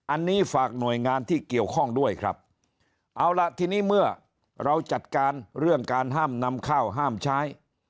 อันนี้ฝากหน่วยงานที่เกี่ยวข้องด้วยครับเอาล่ะทีนี้เมื่อเราจัดการเรื่องการห้ามนำข้าวห้ามใช้